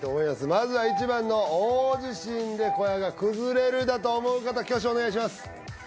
まずは１番の大地震で小屋が崩れるだと思う方挙手お願いします